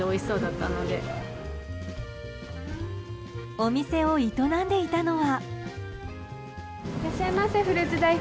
お店を営んでいたのは。